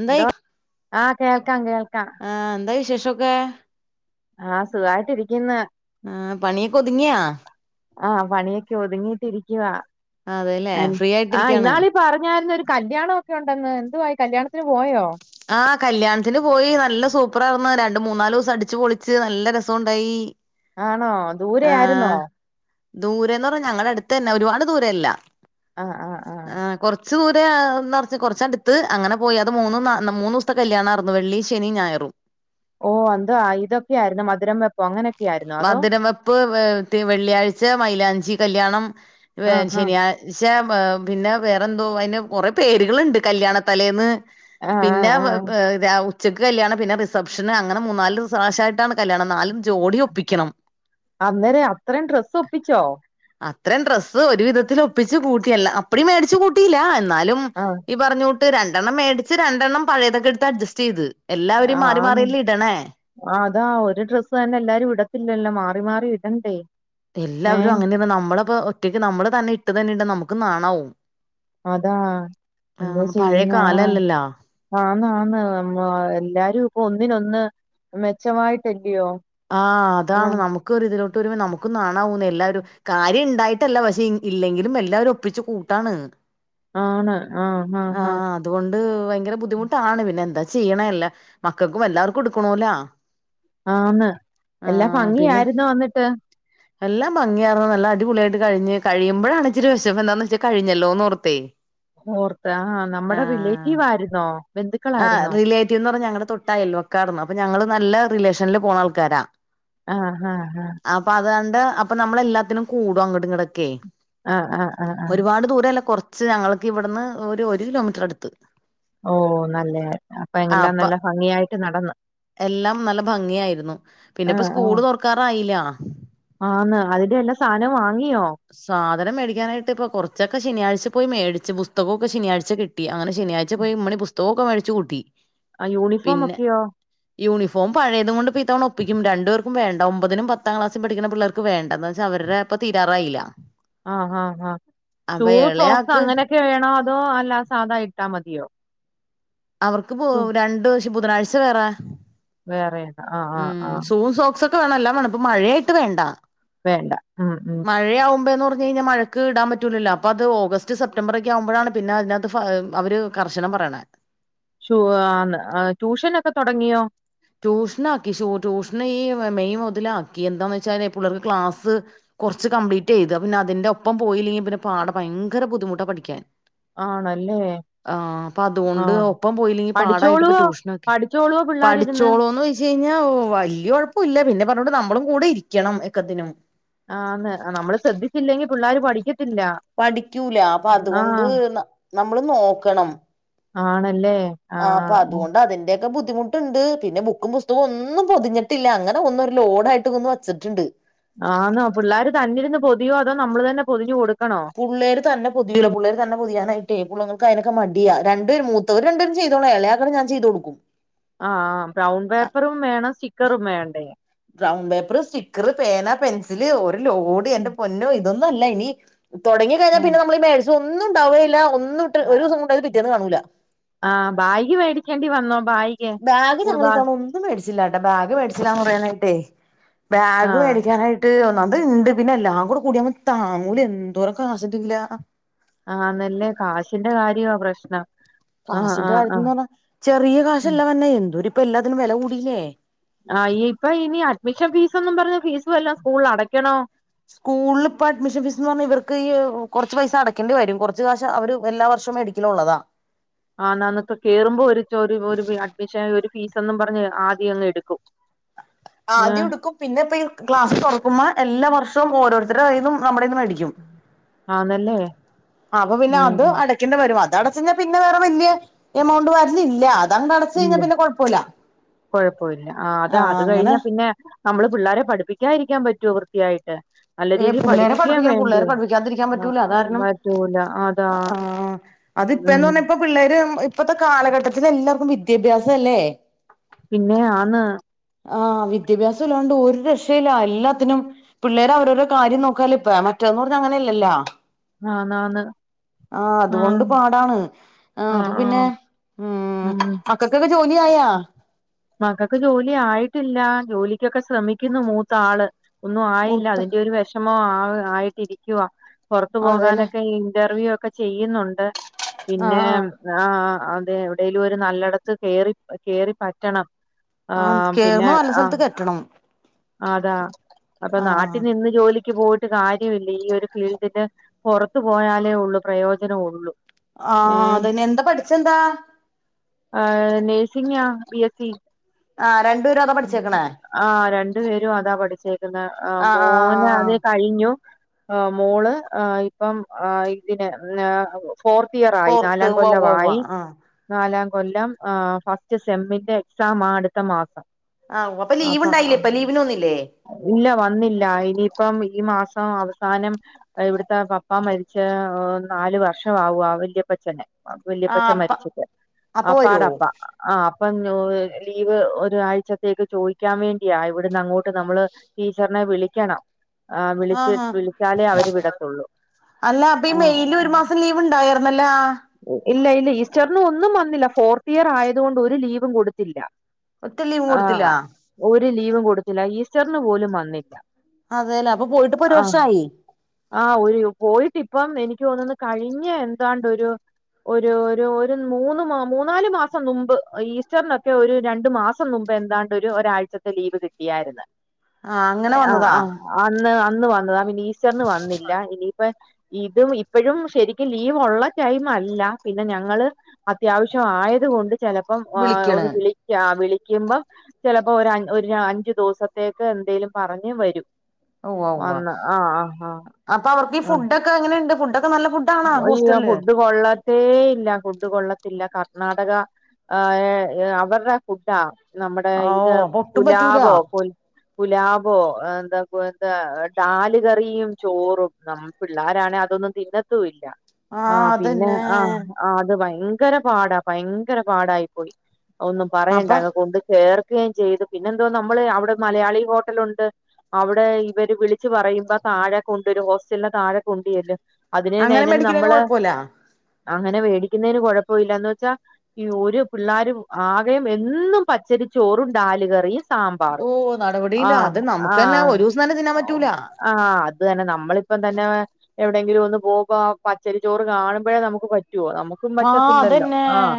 എന്തായ് ആഹ് കേൾക്കാം കേൾക്കാം ആ എന്താ വിശേഷൊക്കെ ആ സുഖായിട്ടിരിക്ക്ന്ന് ആ പണിയൊക്കൊതിങ്യോ ആ പണിയൊക്കെ ഒതുങ്ങിട്ട് ഇരിക്കുവാ അതെല്ലെ ഫ്രീയായിട്ടിരിക്കാണ് പറഞ്ഞായിര്ന്നു ഒരു കല്യാണൊക്കെ ഉണ്ടെന്ന് എന്തുവായി കല്യാണത്തിന് പോയോ ആ കല്യാണത്തിന് പോയി നല്ല സൂപ്പറാർന്നു രണ്ട് മൂന്നാലുസം അടിച്ച് പൊളിച്ച് നല്ല രസുണ്ടായി ആണോ ദൂരായിര്ന്നോ ദൂരെന്ന് പർ ഞങ്ങടെ അട്ത്തെന്നെ ഒരുപാട് ദൂരല്ല ആ ആ ആ ആ കൊർച്ചൂരെ [unintelligible] കൊർച്ചട്ത്ത് അങ്ങനെ പോയി അത് മൂന്ന്ന്നാ ന്ന് മൂന്നുസ്ത്തെ കല്യാണാർന്നു വെള്ളി, ശെനി, ഞായറും ഓ അതാ ഇതൊക്കായിരുന്നു മധുരം വെപ്പോ അങ്ങനെ മധുരം വെപ്പ് വെള്ളിയാഴ്ച മൈയിലാഞ്ചി കല്യാണം ആഹ് ആഹ് ശനിയാ ഴ്ച പ പിന്നെ വേറെന്തോ അയിന് കൊറെ പേരുകളുണ്ട് കല്യാണത്തലേന്ന് ആഹ് പിന്നെ ആഹ് ആഹ് രാ ഉച്ചക്ക് കല്യാണം പിന്നെ റിസപ്ഷന് അങ്ങനെ മൂന്നാലുസം ഷായിട്ടാണ് കല്യാണം നാലും ജോഡി ഒ പ്പിക്കണം അന്നേരെ അത്രേം ഡ്രസ്സൊപ്പിച്ചോ അത്രേം ഡ്രസ്സ് ഒരു വിധത്തിൽ ഒപ്പിച്ച് കൂട്ടിയെല്ലാ അപ്പടി മേടിച്ചു കൂട്ടില്ല എന്നാലും ആഹ് ഇ ഇ പർഞ്ഞൂട്ട് രണ്ടെണ്ണം മേടിച്ച് രണ്ടെണ്ണം പഴേതൊക്കെട്ത്ത് അഡ്ജസ്റ്റെയ്ത് എല്ലാവരും മാറി ആന്ന് മാറിയല്ലേ ഇട്ണേ ആ അതാ ഒരു ഡ്രസ്സ് തന്നെ എല്ലാരും ഇടത്തില്ലല്ലോ മാറി മാറി ഇടണ്ടേ എല്ലാവരും ഏഹ് അങ്ങനെണ് നമ്മളപ്പോ ഒറ്റയ്ക്ക് നമ്മള് തന്നെ ഇട്ട് തന്നെ ഇട്ടാ നമുക്ക് നാണാവും അതാ എന്തോ ആഹ് പഴയ ചെയ്യുന്നേ ആ കാലല്ലല്ലോ ആണ് ആണ് നമ്മാ എല്ലാരും ഇപ്പൊ ഒന്നിനൊന്ന് മെച്ചമായിട്ടല്ലയോ ആഹ് അതാണ് ആഹ് നമുക്ക് ഒരു ഇതിലോട്ട് വരുമ്പോ നമുക്ക് നാണാവുല്ലേ എല്ലാരും കാര്യം ഇണ്ടായിട്ടല്ല പക്ഷെ ഇല്ലെങ്കിലും എല്ലാവരും ഒപ്പിച്ചു കൂട്ടാണ് ആണ് ആഹ് ആഹ് ആഹ് അതുകൊണ്ട് ഭയങ്കര ബുദ്ധിമുട്ടാണ് പിന്നെ എന്താ ചെയ്യണല്ല മക്കക്കും എല്ലാവർക്കും എടുക്കണോല്ല ആന്ന് എല്ലാ പിന്നെ ഭംഗിയായിരുന്നു വന്നിട്ട് എല്ലാം ഭങ്ങിയറണം നല്ല അടിപൊളിയായിട്ട് കഴിഞ് കഴിയ്പോഴാണ് ഇച്ചരി വിശം എന്താന്ന് വെച്ചാ കഴിഞ്ഞല്ലോ എന്ന്ോർത്തേ ഓർത്ത് ആഹ നമ്മുടെ റിലേറ്റീവ ആയിരുന്നോ ബന്ധുക്കളായിരുന്നോ കെ പറ ഞങ്ങളുടെ തൊട്ടായില്ലോ ഒക്കാന്ന് അപ്പൊ ഞങ്ങള് നല്ല റിലേഷനിൽ പോകുന്ന ആൾക്കാരാ ആഹ ആഹ് ആഹ അപ്പൊ അത കണ്ട് അപ്പൊ നമ്മള എല്ലാത്തിനും കൂടും അങ്ങടും ഇങ്ങടൊക്കെ ആഹ് ആഹ് ആഹ് ആഹ് ആഹ് ഒരുപാട് ദൂരല്ല കൊറച്ച് ഞങ്ങക്ക് ഇവിടുന്ന് ഒരു ഒരു കിലോമീറ്റർ അടുത്ത് ഓ നല്ല അപ്പ എല്ലാം നല്ല ഭംഗിയായിട്ട് നടന്നു എല്ലാം നല്ല ഭംഗിയായിരുന്നു ആഹ പിന്നെപ്പോ ആഹ സ്കൂള് തുറക്കാറായില്ല ആന്ന് അതിന്റെ എല്ലാ സാധനവും വാങ്ങിയോ സാധനം മേടിക്കാനായിട്ട് പ്പൊ കുറച്ചൊക്കെ ശനാഴ്ച പോയി മേടിച്ച് പുസ്തകമൊക്കെ ശനിയാഴ്ച കിട്ടി അങ്ങനെ ശനിയാഴ്ച്ചച പോയിമ്മിണി പുസ്തകൊക്കെ മേടിച്ച് കൂട്ടി ആ യൂണിഫോം പിന്നെ ഒക്കെയോ യൂണിഫോം പഴയത കൊണ്ട് തവ പപ്പിക്കും രണ്ടുേർക്കും വേണ്ട ഒമ്പതിനും പതാംക്ലാസും പഠിക്കുന്ന പിള്ളേർ വേണ്ടാന്ന് വെച്ചാ അവടെപ്പൊ തീരാറായില്ല ആഹ് ആഹ്ഹാ് ഷൂ അപ്പൊ സോക്സ് ഇളയാക്ക് അങ്ങനെയൊക്കെ വേണോ അതോ അല്ലാ സാധാ ഇട്ടാ മതിയോ അവർക്ക് പോ ഷൂ രണ്ട്സം ബുധനാഴ്ച വേറെ വേറെയതാ ആ് ഉം ഷൂ സോക്സ്ൊക്കെ വേണം എല്ലാം വേണം ഇപ്പ മഴയായിട്ട് വേണ്ട വേണ്ട. ഉം, ഉം. മഴയാവുമ്പോന്ന് പറഞ്ഞ് കഴിഞ്ഞാ മഴ ക്ക് ഇടാൻ പറ്റൂലല്ലോ അപ്പൊ അത് ഓഗസ്റ്റ് സെപ്റ്റംബർ ഒക്കെ ആവുമ്പോഴാണ് പിന്നെ അതിനകത്ത് അവര് കർശനം പറയണ ട്യൂഷന ഒക്കെ തുടങ്ങിയോ ട്യൂഷന ആാക്കി ട്യൂഷന് ഈ മെയ് മുതല ആാക്കി എന്താന്ന് വെച്ചാല് പൂള്ളേർക്ക് ക്ലാസ്സ് കുറച്ച് കംപ്ലീറ്റ് ചെയ്തത് പിന്ന അതിൻന്റെ ഒപ്പം പോയില്ലെങ്കിൽ പിന പാട ഭയങ്കര ബുദ്ധിമുട്ടാണ് പഠിക്കാൻ ആണല്ലേ ആഹ അപ്പൊ അതുകൊണ്ട് ആഹ്. ഒപ്പം പോയില്ലെങ്കി പാടായിട്ട്പ്പ പഠിച്ചോളുവോ? ട്യൂഷനൊക്കെ പഠിച്ചോളുവോ പിള്ളാരിരുന്ന്? പഠിച്ചോളോ ന്ന് ചെ കഴിഞ്ഞാ വലിയ ഒഴപ്പം ഇില്ല പിന്നെ പറഞ്ഞോട്ടണ്ട് നമ്മളും കൂടെ ഇരിക്കണം എക്കത്തിനും ആന്ന് നമ്മള് ശ്രദ്ധിച്ചില്ലെങ്കി പിള്ളേർ പഠിക്കത്തില്ല പഠിക്കൂല അപ്പ അതുകൊണ്ട് ആഹ്. നമ്മള് നോക്കണം ആണല്ലേ ആ അപ്പ ആഹ്. ഉം. അതുകൊണ്ട് അതിന്റൊക്കെ ബുദ്ധിമു് ണ്ട് പിന്നെ ബുക്കും പുസ്തകം ഒന്നും പൊതിഞ്ഞിട്ടില്ല അങ്ങനെ ഒന്നും ഒരു ലോഡ ആയിട്ട് ഒന്നും വച്ചിട്ടുണ്ട് ആന്നോ പിള്ളോര് തന്നിരുന്ന് പൊതിയോ അതോ നമ്മള് തന്നെ പൊതിഞ്ഞു കൊടുക്കണോ പുള്ളേര് തന്നെ പതിയല്ല പുള്ളേര് തെൊതിയാനായിട്ടേ പുള്ളങ്ങൾക്ക് അതിനൊക്കെ മടിയാ രണ്ടേ രണ്ടും ചെയതോളാം എളയാക്കെ ഞൻ ചെയ്തുടുക്കും ആഹ ബ്രൗൺ പേപ്പറും വേണം സ്റ്റിക്കറും വേണ്ടേ ബറൗൺ പേപ്പറ് സ്റ്റിക്കറ് പേന പെൻസില് ഒരു ലോഡ് ഉം, എന്റെ പൊന്നോ ഇതൊന്നുംല്ല ഇനി തൊടങ്ങി കഴിഞ്ഞാ ഉം. പിന്നെ നമ്മള് ഈ പേഴ്സ് ഒന്നും ഉണ്ടാവുകയില്ല ഒന്നുംട്ട് ഒരുസം കൊണ്ട് അത് പിറ്റേന്നന്ന് കാണൂല്ല ആ ബാഗി മേടിക്കേണ്ടി വന്നോ ബായി ബാഗ് ഞങ്ങളിത്തവണ ഒന്നും മേടിച്ചില്ലാട്ടാ ബാഗ് മേടിച്ചില്ലന്ന് പറയാന കേട്ടൊ ബാഗ് ആഹ്. മേടിക്കാനായിട്ട് ണ്ട് ഒന്നാമത് ഇണ്ട് പിന്നെ എല്ലാം കൂടെ കൂടിയകുമ്പോ താങ്ങൂല എന്തോരം കാശുതെകയൂലാ ആഹ് അന്നല്ലേ കാശിന്റെ കാര്യവാ പ്രശ്നം ആഹ്, കാശിന്റെ ആഹ്, ആഹ്. കാര്യത്തിന്ന് പറഞ്ഞാ ചെറിയ ഉം. കാശ്ല്ല വന്നെ എന്തോ ഇപ്പൊ എല്ലാത്തിനും വില കൂടീലേ ആഹ് ഇപ്പൊ ഇനി അഡ്മിഷൻ ഫീസൊന്നും പറഞ്ഞ ഫീസും എല്ലാം സ്കൂളിൽ അടയ്ക്കണോ സ്കൂളിൽ ഇപ്പൊ അഡ്മിഷൻ ഫീസ് എന്ന് പറഞ്ഞാ ഇവർക്ക് ഈ കുറച്ച് പൈസ അടക്കേണ്ടി വരും കുറച്ച്കാശ് അവര് എല്ല വർഷടിക്കും കിലോ ഉള്ളതാ ആഹ് എന്നാന്നൊക്കെ കേറുമ്പോ ഒരു ഒരു അഡ്മിഷൻ ഒരു ഫീസ ഒന്നും പറഞ്ഞ് ആദ്യം അങ്ങ് എടുക്കും ഏ ആദ്യം ഉടുക്കും പിന്നെ ഇപ്പ ഈ ക്ലാസ് തുറക്കുമ്പോ എല്ലാ വർഷവും ഓരോരുത്തരുടെ കയ്യിന്നും നമ്മടന്ന് മേടിക്കും ആന്നല്ലേ അപ്പൊ പിന്നെ ഉം അത് അടക്കേണ്ടി വരും അത് അടച്ചഞ്ഞാൽ പിന്നെ വേറെ വല്യ എമൗണ്ട് വര്ലില്ല അത് അങ്ങണ്ട് അടച്ചു കഴിഞ്ഞാ പിന്നെ കൊഴപ്പുല്ല കൊഴപ്പു ഇല്ല ആഹ് അതാ അത് അങ്ങനെ കഴിഞ്ഞാ പിന്നെ നമ്മള് പിള്ളാരെ പഠിപ്പിക്കാതിരിക്കാൻ പറ്റോ വൃത്തിയായിട്ട് നല്ല ഏ രീതിയിൽ പുള്ളേരെ പഠിപ്പിക്കുകയും പഠിപ്പിക്കണം വേണ്ടേ പുള്ളേരെ പഠിപ്പിക്കാതിരിക്കാൻ ആ പറ്റൂല കാരണം പറ്റൂല അതാ ആഹ് അത് ഇപ്പെന്ന് ഉം പറഞ്ഞാ ഇപ്പ പിള്ളേര് ഇപ്പത്തെ കാലഘട്ടത്തിന് എല്ലാവർക്കും വിദ്യാഭ്യാസല്ലേ പിന്നെ ആന്ന് ആഹ് വിദ്യാഭ്യാസം ഇല്ലാണ്ട് ഒരു രക്ഷയില്ല എല്ലാത്തിനും പിള്ളേര് അവരെ കാര്യം നോക്കാലിപ്പ മറ്റേന്നൂ പറഞ്ഞ അങ്ങനെ അല്ലല്ലാ ആന്നാന്ന് ആഹ് അതുകൊണ്ട് പാടാണ് ആഹ് ആഹ് ഉം ക്കക്കൊക്കെ ജോലി ആയാ മക്കക്ക് ജോലി ആയിട്ടില്ല ജോലിക്കൊക്കെ ശ്രമിക്കുന്നു മൂത്ത ആള് ഒന്നു ആയില്ല മൂത്ത അതിന്റെ ഒരു വിഷമം ആഹ് ആയിട്ടിരിക്കുവാ പൊറത്തു അതെല്ലേ പോകാനൊക്കെ ഇന്റർവ്യൂ ഒക്കെ ചെയ്യുന്നുണ്ട് പിന്നെ ആഹ് ആഹ് അതെ എവിടേലും ഒരു നല്ലടത്ത് കേറി കേറി പറ്റണം ആഹ് പിന്നെ കേറുമ്പോ നല്ല ആഹ് സ്ഥലത്ത് കെട്ടണം അതാ അപ്പൊ ആഹ് നാട്ടിൽ നിന്ന് ജോലിക്ക് പോയി ട്ട് കാര്യമില്ല ഈ ഒരു ഫീൽഡിന്റെ പുറത്തു പോയാലേ ഉള്ളൂ പ്രയോജനം ഒള്ളൂ ആഹ് അതെന്നെ എന്താ പഠിച്ചെന്താ ആഹ് നഴ്‌സിങ്ങാ ബി എസ് ഇ ആഹ് രണ്ട് [unintelligible] ആഹ് രണ്ടു പേരും അതാ പഠിച്ചേക്കുന്ന ആഹ് മോന് അത് കഴിഞ്ഞു ആഹ് മോള് ആഹ് ഇപ്പം ആഹ് ഇതിനെ [unintelligible] ഫോർത്ത് ഇയർ ആയി ഫോർത്ത് നാലാം ഉവ്വ ഉവ്വ കൊല്ലമായി ആഹ് നാലാം കൊല്ലം ആഹ് ഫസ്റ്റ് സെമ്മിന്റെ എക്സാമാ അടുത്ത മാസം ആഹ് അപ്പ ലീവ് അപ്പൊ ഉണ്ടായില്ലേ ആ, അപ്പ ലീവിന് വന്നില്ലേ ഇല്ല വന്നില്ല ഇനിയിപ്പം ഈ മാസം അവസാനം ഇവിടുത്തെ പപ്പാ മരിച്ച നാലു വർഷമാവാ വല്യപ്പച്ചന് ആഹ് വല്ല്യപ്പച്ചൻ അപ്പ മരിച്ചിട്ട് അപ്പൊ വരുവോ അപ്പാടപ്പ ആഹ് അപ്പം ലീവ് ഒരാഴ്ചത്തേക്ക് ചോദിക്കാൻ വേണ്ടിയാ ഇവിടുന്ന് അങ്ങോട്ട് നമ്മള് ടീച്ചറിനെ വിളിക്കണം ആഹ് വിളിച്ച് വിളിച്ചാലേ അവര് വിടത്തുള്ളൂ ഉം പ്പൊ ലീവ് ഉണ്ടായിര്ന്നല്ലാ ഇല്ല ഇല്ല ഈസ്റ്ററിന് ഒന്നും വന്നില്ല ഫോർത്ത് ഇയർ ആയത് കൊണ്ട് ഒരു ലീവും കൊടുത്തില്ല ഒറ്റ ലീവും കൊടുത്തില്ല ആഹ് ഒരു ലീവും കൊടുത്തില്ല ഈസ്റ്ററിന് പോലും വന്നില്ല അതെയല്ലേ അപ്പൊ പോയിട്ടിപ്പോ ഒരു ആഹ് വർഷായി ആഹ് ഒരു പോയിട്ട് ഇപ്പം എനിക്ക് തോന്ന്ന്ന് കഴിഞ്ഞ എന്താണ്ട് ഒരു ഒരു ഒരു മൂന്ന് മൂന്നാല് മാസം മുമ്പ് ഈസ്റ്ററിനൊക്കെ ഒരു രണ്ടു മാ സം മുമ്പ് എന്താണ്ട് ഒരു ഒരാഴ്ചത്തെ ലീവ് കിട്ടിയായിരുന്നു ആഹ് അങ്ങനെ ആഹ് വന്നതാ ആഹ് അന്ന് അന്ന് വന്നതാ പിന്നെ ഈസ്റ്ററിന് വന്നില്ല ഇനിയിപ്പ ഇതും ഇപ്പഴും ശരിക്കും ലീവ് ഉള്ള ടൈം അല്ല പിന്നെ ഞങ്ങള് അത്യാവശ്യം ആയത് കൊണ്ട് ചെലപ്പം വിളിക്കണ് ഒന്ന് വിളി വിളിക്കുമ്പോ ചിലപ്പോ ഒരു ഒരു അഞ്ചു ദിവസത്തേക്ക് എന്തേലും പറഞ്ഞ് വരും ഉവ്വ ഉവ്വ വന്ന് ആഹ് ആഹ് ആഹ് അപ്പൊ അവർക്ക് ഈ ഫുഡ് ഒക്കെ എങ്ങെനെണ്ട് ഫുഡ്‌ ഒക്കെ നല്ല ഫു അയ് ആ ഫുഡ് കൊള്ളത്തേ ഇല്ല ഫുഡ് കൊള്ളത്തില്ല കർണാടക അവരുടെ ഫുഡാ നമ്മുടെ ഇത് ഓഹ് അപ്പൊ ഒട്ടും പറ്റൂല പുലാവോ പുൽ ഗുലാബോ എന്താ എന്താ ദാല് കറിയും ചോറും നമ്മ പിള്ളാരണങ്കി അതൊന്നും തിന്നത്തും ഇല്ല ആഹ് പിന്നെ ആഹ് ആഹ് അത് ഭയങ്കര പാടാ ഭയങ്കര പാടായി പോയി ഒന്നും പറയണ്ട അപ്പൊ അങ്ങ് കൊണ്ട് കേർ ക്കയും ചെയ്തു പിന്നെ എന്തോ നമ്മള് അവിടെ മലയാളി ഹോട്ടലുണ്ട് അവിടെ ഇവര് വിളിച്ച് പറയുമ്പോ താഴെ കൊണ്ടുരും ഹോസ്റ്റലിന്റെ താഴെ കൊണ്ട് ചെല്ലും അതിന് തന്നേ അങ്ങനെ അയിനന്നെ മേടിക്കണേന് നമ്മള് കൊഴപ്പല്ല അങ്ങനെ വേടിക്കുന്നതിന് കൊഴപ്പവില്ല എന്ന് വെച്ചാ ഈ ഒരു പിള്ളാരും ആകെയും എന്നും പച്ചരി ചോറും ഡാല് കറിയും സാമ്പാറ് ഓഹ് നടപടിയില്ല ആഹ് അത് നമുക്ക് തന്നെ ആഹ് ഒരു ദിവസം തന്നെ തിന്നാൻ പറ്റൂല ആഹ് അത് തന്നെ നമ്മളിപ്പം തന്നെ എവിടെയെങ്കിലും ഒന്ന് പോവുമ്പൊ ആഹ് പച്ചരി ചോറ് കാണുമ്പോഴേ നമുക്ക് പറ്റുവോ നമുക്കും ആഹ് പറ്റത്തില്ലല്ലോ അതന്നെ ആഹ്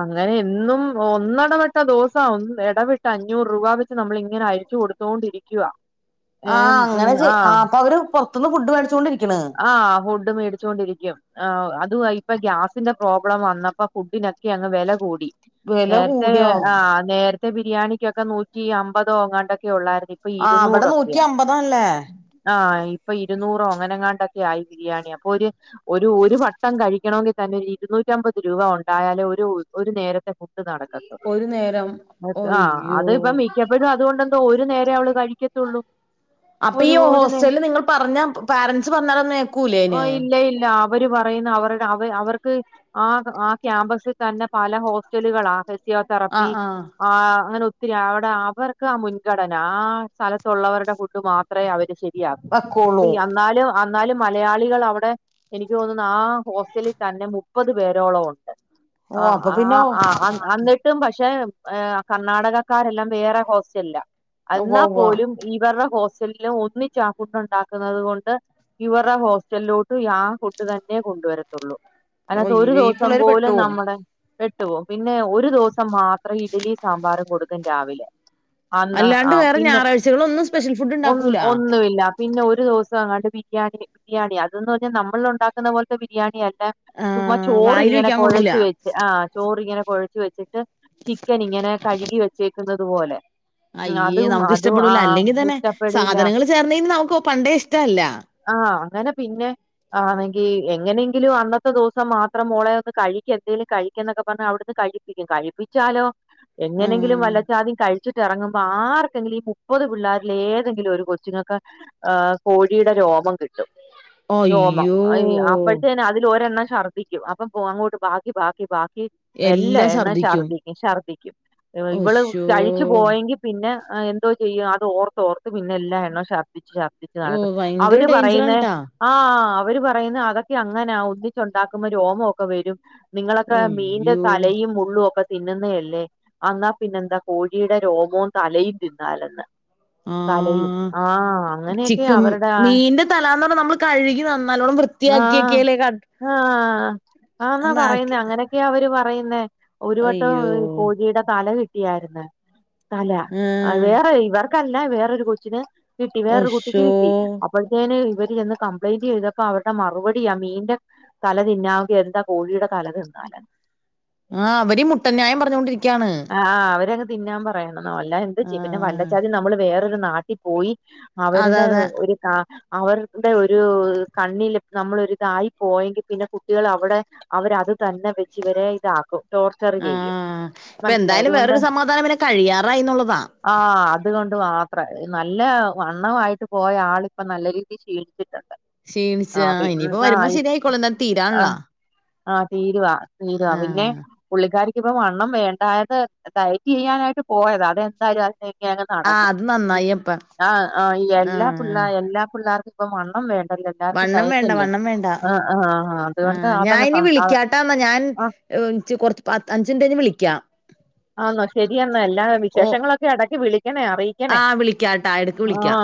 അങ്ങനെ എന്നും ഒന്നടപെട്ട ദൂസാവും ഇടവിട്ട അഞ്ഞൂറ് രൂപ വെച്ച് നമ്മൾ ഇങ്ങനെ അയച്ചു കൊടു ത്തോണ്ടിരിക്കുവ ആഹ് അങ്ങനെ ചെ ആഹ് അപ്പൊ അവര് പുറത്തുന്ന് ഫുഡ് മേടിച്ചൊണ്ടിരിക്ക്‌ണ് ആഹ് ഫുഡ് മേടിച്ചോണ്ടിരിക്കും ആഹ് അതുവാ ഇപ്പൊ ഗ്യാസിന്റെ പ്രോബ്ലം വന്നപ്പോ ഫുഡിനൊക്കെ അങ്ങ് വില കൂടി വില നേരത്തെ കൂടിയോ ആഹ് നേരത്തെ ബിരിയാണിക്കൊക്കെ നൂറ്റി അമ്പതോ ങ്ങാണ്ടൊക്കെ ഒള്ളായിരുന്നു ഇപ്പൊ ആ അവിടെ നൂറ്റി ഇരുന്നൂറൊക്കെയാ അമ്പതാല്ലേ ആഹ് ഇപ്പൊ ഇരുന്നൂറോ അങ്ങനെങ്ങാ ന്തൊക്കെ ആയി ബിരിയാണി അപ്പോ ഒരു ഒരു ഒരു വട്ടം കഴിക്കണങ്കിൽ തന്നെ ഇരുന്നൂറ്റി അമ്പത് രൂപ ഉണ്ടായാലേ ഒരു ഒരു നേരത്തെ ഫുഡ് നട ക്കത്തൊള്ളൂ ഒരു നേരം ആഹ് ഒയ്യോ അത്പ്പം മിക്ക അവരും അതുകൊണ്ട് എന്തോ ഒരു നേരെേ അവള് കഴിക്കത്തുള്ളൂ അപ്പൊ ഈ ഒരു ഒരു ഹോസ്റ്റലിൽ നിങ്ങൾ പറഞ്ഞ പാരൻറ്സ് പറഞ്ഞാല് ഓഹ് ഇല്ല ഇല്ല അവർ പറയുന്ന അവരുടെ അവ അവർക്ക് ആഹ് ആഹ് ക്യാമ്പസിൽ തന്നെ പല ഹോസ്റ്റലുകളാ ഫിസിയോ ആ തറപ്പി ആ ആഹ് അങ്ങനെ ഒത്തിരി അവിടെ അവർക്കാ മുൻഗണന ആ സ്ഥലത്തുള്ളവരുടെ ഫുഡ് മാത്രം അത്രേ അവര് ശരിയാക്കും അപ്പൊ വക്കോളൂ അന്നാലും അന്നാലും മലയാളികൾ അവിടെ എനിക്ക് തോന്നുന്നു ആ ഹോസ്റ്റലിൽ തന്നെ മുപ്പത് പേരോളം ഉണ്ട് ഓ ആഹ് അപ്പൊ പിന്നെ ആഹ് ആഹ് ആഹ് അന്ന് കിട്ടും പക്ഷെ ഏഹ് കർണാടകക്കാരെല്ലാം വേറെ ഹോസ്റ്റലിലാ ഉവ്വ എന്നാൽ ഉവ്വ പോലും ഇവരുടെ ഹോസ്റ്റലിലും ഒന്നിച്ചാ ഫുഡ് ഉണ്ടാക്കുന്നുന്നത് കൊണ്ട് ഇവരുടെ ഹോസ്റ്റലിലോട്ടും ആഹ് ഫുഡ് തന്നെ കൊണ്ടുവരത്തുള്ളൂ അതിനകത്ത് ഒരു ഒയ്യോ ഈ ദിവസം പിള്ളേര് പോലും പെട്ടുപോവും നമ്മുടെ പെട്ടു പോവും പിന്നെ ഒരു ദിവസം മാത്രം ഇഡ്ലീം സാമ്പാറും കൊടുക്കും രാവിലെ അന്ന് അല്ലാണ്ട് ആഹ് വേറെ പിന്നെ ഞായറാഴ്ചകളൊന്നും സ്പെഷ്യൽ ഫുഡ് ഒന്ന് ഉണ്ടാക്കൂല ഒന്നുവില്ല പിന്നെ ഒരു ദിവസം അങ്ങാണ്ട് ബിരിയാണി ബിരിയാണിയാ അതന്ന് പറഞ്ഞാൽ നമ്മൾ ഉണ്ടാക്കുന്ന പോലത്തെ ബിരിയാണി അല്ല ആ ചുമ്മാ വായിൽ ചോറിങ്ങനെ വെക്കാൻ കൊള്ളൂല കുഴച്ച് വെച്ച് ആഹ് ചോറിങ്ങനെ കുഴച്ച് വെച്ചിട്ട് ചിക്കൻ ഇങ്ങനെ കഴുകി വെച്ചേക്കുന്നത് പോലെ ഉം അയ്യേ അതും നമുക്ക് അതും ആ ഇഷ്ടപ്പെടൂല അല്ലെങ്കിൽ തന്നെ ഇഷ്ടപ്പെടില്ല സാധനങ്ങൾ ചേർന്ന് കഴിഞ്ഞാ നമുക്ക് പണ്ടേ ഇഷ്ടല്ല ആഹ് അങ്ങനെ പിന്നെ ആന്നെങ്കി എങ്ങനെങ്കിലും അന്നത്തെ ദിവസം മാത്രം മോളെ ഒന്ന് കഴിക്ക്‌ എന്തേലും കഴിക്കന്നൊക്കെ പറഞ്ഞ് അവിടുന്ന് കഴി ക്കും കഴിപ്പിച്ചാലോ എങ്ങനെങ്കിലും ആ വല്ലച്ചാതിം കഴിച്ചിട്ട് ഇറങ്ങുമ്പോ ആർക്കെങ്കിലും ഈ മുപ്പത് പിള്ളേരിലെ ഏതെങ്കിലും ഒരു കൊച്ചുങ്ങക്ക് ഏഹ് കോഴിയുടെ രോമം കിട്ടും രോമം അയ്യോ അയ് ആഹ് അപ്പോഴത്തേന് അതിൽ ഒരെണ്ണം ശർദ്ദിക്കും അപ്പം പോ അങ്ങോട്ട് ബാക്കി ബാക്കി ബാക്കി എല്ലാ എല്ലാം എണ്ണോം ഛർദ്ദിക്കും ശർദിക്കും ശർദ്ദിക്കും ഇവള് ഒശ്ശോ കഴിച്ചു പോയെങ്കി പിന്നെ എന്തോ ചെയ്യും അത് ഓർത്ത് ഓർത്ത് പിന്നെ എല്ലാണ്ണവും ശർദ്ദിച്ച് ശർദ്ദിച്ച് ഊവ്വ അവര് പറയുന്നെ ആഹ് അവര് പറയുന്നെ അതൊക്കെ അങ്ങനാ ഒന്നിച്ചുണ്ടാക്കുമ്പോ രോമൊക്കെ വരും നിങ്ങളൊക്കെ മീന്റെ ഒയ്യോ തലയും മുള്ളും ഒക്കെ തി തിന്നുന്നയല്ലേ എന്നാ പിന്നെന്താ കോഴിയുടെ രോമോവും തലയും തിന്നാലന്ന് തലയും ആഹ് ആഹ് അങ്ങനെയൊക്കെയാ ചിക്കൻ അവരുടെ മീന്റെ തലാന്ന് പറഞ്ഞ നമ്മൾ കഴുകി നന്നല്ലോണ്ണം ആഹ് വൃത്തിയാക്കിയൊക്കെലേ ആഹ് ആന്നാ പറയുന്നേ അങ്ങനെയൊക്കെയ അവര് പറയുന്നേ. ഒരു വട്ടം അയ്യോ കോഴിയുടെ തല കിട്ടിയായിരുന്ന് തല ഉം വേറെ ഇവർക്കല്ല വേറൊരു കൊച്ചിന് കിട്ടി വേറൊരു കുട്ടിക്ക് ഒശ്ശോ കി അപ്പോഴത്തേന് ഇവര് ചെന്ന് കംപ്ലൈന്റ് ചെയ്തപ്പോ അവരുടെ മറുപടിയ ആഹ് മീന്റെ തല [unintelligible] കോഴിയുടെ തലതിന്നാല ആഹ് അവര് മുട്ടൻ ന്യായം പറഞ്ഞൊണ്ടിരിക്കാണ്. ആഹ് അവര തിന്നാൻ പറയണം വല്ല എന്ത് ചെ പിന്നെ ആഹ് വല്ലച്ചാതി നമ്മള് വേറൊരു നാട്ടിൽ പോയി അതെ അവരുടെ അതെ ആഹ് അവരുടെ ഒരു കണ്ണി നമ്മളൊരിതായി പോയെങ്കിൽ പിന്നെ കുട്ടികൾ അവിടെ അവരത് തന്നെ വെച്ച് ഇവരെ ഇതാക്കും ടോർച്ചർ ചെയ്യും ആഹ് മനസ്സിലായതുകൊണ്ട് കഴിയാറായിന്നുള്ളതാ ആഹ് അതുകൊണ്ട് മാത്ര നല്ല വണ്ണവായി പോയ ആള് ഇപ്പൊ നല്ല രീതിയിൽ ശീണിച്ചിട്ടുണ്ട്. ക്ഷീണിച്ച ഇനിയിപ്പ വരുമ്പോ ശരിയിക്കോളും എന്ന തീരാള്ളാ ആഹ് ആഹ് തീരുവാ തീരുവാ പിന്നെ ആഹ് പുള്ളിക്കാരി ഇപ്പൊ വണ്ണം വേണ്ടായത് ടയറ്റ് ചെയ്യാനായിട്ട് പോയതറ അതെന്താ അ [unintelligible] ആഹ് നടന്നു അത് നന്നായി അപ്പ ആഹ് ആഹ് എല്ലാ പിളേ ആഹ് എല്ലാ പിള്ളേർക്കും ഇപ്പ വണ്ണം വേണ്ടല്ല. എല്ലർക്കും വണ്ണം വേണ്ട ഡയറ്റല്ലേ വണ്ണം വേണ്ട ആ ആ ആ അതുകൊണ്ട് അതങ്ങ ഞൻ കൊറച്ച് പത്ത്ഞ്ചിന്റെയ്ൻഞ്ഞ് വിളിക്കാം. ആന്നോ ശരിയാന്ന എല്ല ഓ വിശേഷങ്ങളൊക്കെ ഇടക്കി വിളിക്കണേ അറിയി ആഹ് വിളിക്കാം ട്ടാ എടുക്ക് വിളിക്കാം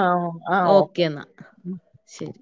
ആഹ് ഓക്കെ ഓക്കേന്നാ ശരി.